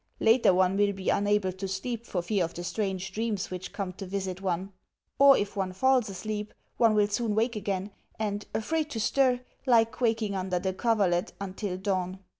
Later one will be unable to sleep for fear of the strange dreams which come to visit one; or, if one falls asleep, one will soon wake again, and, afraid to stir, lie quaking under the coverlet until dawn.